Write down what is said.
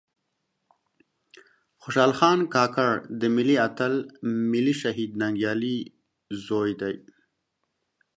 خوشال خان کاکړ د ملي آتل ملي شهيد ننګيالي ﺯوې دې